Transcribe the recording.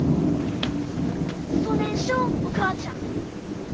そねんしょおお母ちゃん。